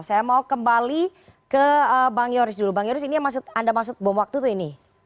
saya mau kembali ke bang yoris dulu bang yoris ini yang anda maksud bom waktu tuh ini